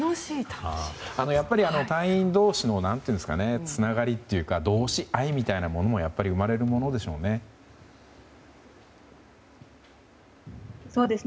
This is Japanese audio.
やっぱり隊員同士のつながりというか同志愛みたいなものも生まれるものでしょうね。